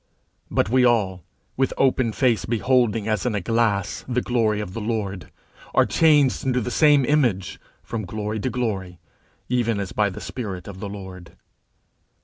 _But we all, with open face beholding as in a glass the glory of the Lord, are changed into the same image from glory to glory, even as by the spirit of the Lord_. II.